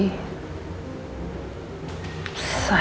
tante takut sekali